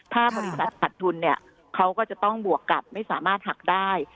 ถ้าบริษัทขัดทุนเนี่ยเขาก็จะต้องบวกกับไม่สามารถหักได้